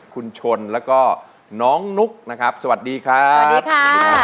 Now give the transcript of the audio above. คุณชนแล้วก็น้องนุ๊กนะครับสวัสดีครับสวัสดีค่ะ